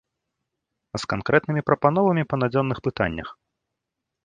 З канкрэтнымі прапановамі па надзённых пытаннях.